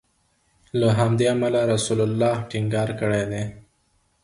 له همدې امله رسول الله ټينګار کړی دی.